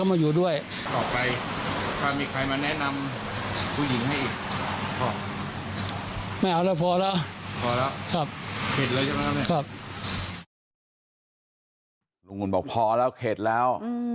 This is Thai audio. ลุงอุ่นบอกพอแล้วไขดแล้ว